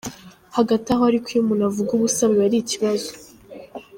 Hagati aho ariko iyo umuntu avuga ubusa biba ari ikibazo.